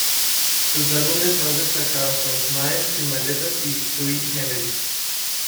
Sus álbumes más destacados son "Smile", "Sin maletas" y "Sui Generis".